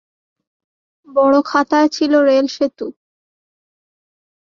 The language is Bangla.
বড়খাতায় ছিলো রেলসেতু।